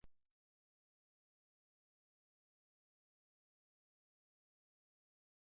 Oskorriren eta Mikel Laboaren bertsioak dira hedatuenak.